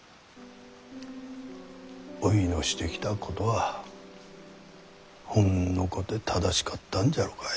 おいのしてきたことはほんのこて正しかったんじゃろかい。